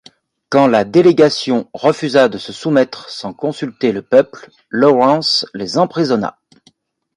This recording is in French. Quand la délégation refusa de se soumettre sans consulter le peuple, Lawrence les emprisonna.